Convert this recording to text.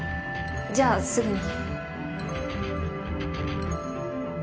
じゃあすぐに。